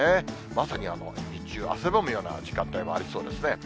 まさに日中、汗ばむような時間帯もありそうですね。